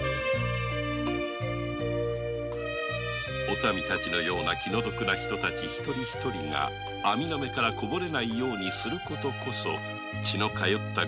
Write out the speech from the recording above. おたみたちのような気の毒な人たち一人一人が網の目からこぼれないようにする事こそ真の御政道である。